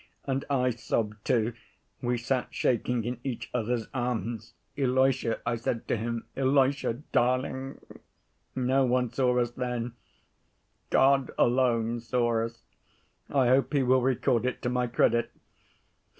And I sobbed too. We sat shaking in each other's arms. 'Ilusha,' I said to him, 'Ilusha darling.' No one saw us then. God alone saw us, I hope He will record it to my credit.